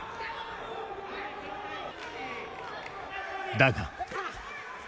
だが。